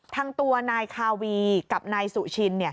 ทางตัวนายคาวีกับนายสุชิน